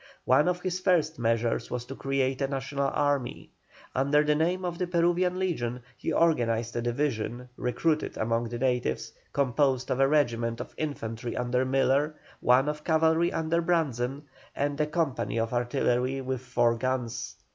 One of his first measures was to create a national army. Under the name of the "Peruvian Legion" he organized a division, recruited among the natives, composed of a regiment of infantry under Miller, one of cavalry under Brandzen, and a company of artillery with four guns.